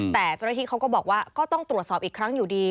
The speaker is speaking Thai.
แต่เจ้าหน้าที่เขาก็บอกว่าก็ต้องตรวจสอบอีกครั้งอยู่ดี